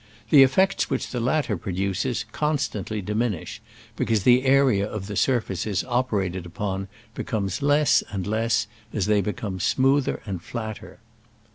The effects which the latter pro duces constantly diminish, because the area of the surfaces operated upon be comes less and less as they become smoother and flatter.